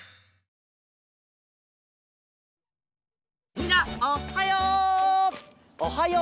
みんなおっはよう！